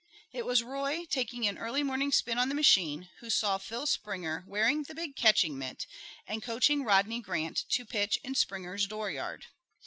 It was Roy, taking an early morning spin on the machine, who saw Phil Springer wearing the big catching mitt and coaching Rodney Grant to pitch in Springer's dooryard.